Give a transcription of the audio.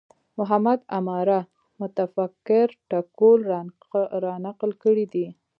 محمد عماره متفکر ټکول رانقل کړی دی